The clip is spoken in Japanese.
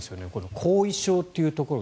後遺症というところが。